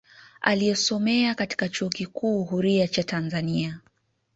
Aliyosomea katika chuo kikuu huria cha Tanzania